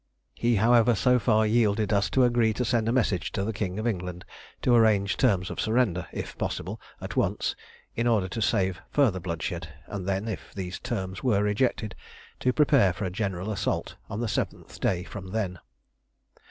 He, however, so far yielded as to agree to send a message to the King of England to arrange terms of surrender, if possible at once, in order to save further bloodshed, and then, if these terms were rejected, to prepare for a general assault on the seventh day from then.